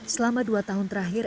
selama dua tahun terakhir